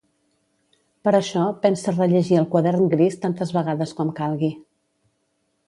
Per això pensa rellegir el quadern gris tantes vegades com calgui.